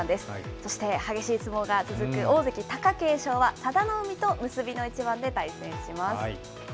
そして激しい相撲が続く大関・貴景勝は、佐田の海と結びの一番で対戦します。